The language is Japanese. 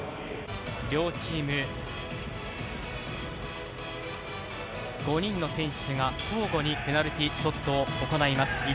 両チーム、５人の選手が交互にペナルティーショットを行います。